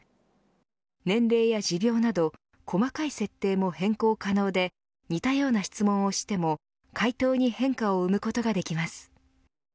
年齢や持病など細かい設定も変更可能で似たような質問をしても回答に変化を生むことができます。